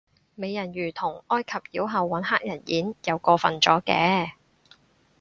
美人魚同埃及妖后搵黑人演又過份咗嘅